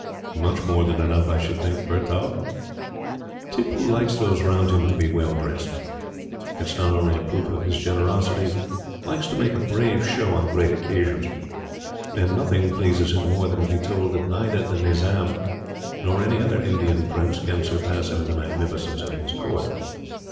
"Much more than enough, I should think, Pertaub." "Tippoo likes those round him to be well dressed. It is not only a proof of his generosity, but he likes to make a brave show on great occasions, and nothing pleases him more than to be told that neither the Nizam, nor any other Indian prince, can surpass him in the magnificence of his Court.